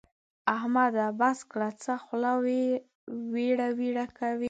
احمده! بس کړه؛ څه خوله ويړه ويړه کوې.